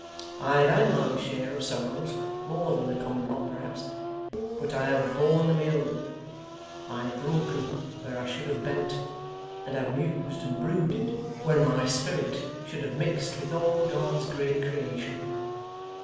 I have had my share of sorrows more than the common lot, perhaps, but I have borne them ill. I have broken where I should have bent; and have mused and brooded, when my spirit should have mixed with all God's great creation.